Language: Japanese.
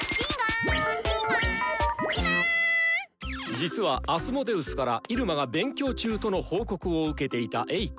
実はアスモデウスから入間が勉強中との報告を受けていたエイコ。